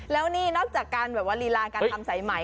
แล้วนี่นอกจากการแบบว่าลีลาการทำสายไหม